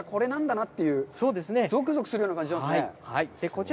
実際いたら、こんなんだなという、ぞくぞくするような感じしますね。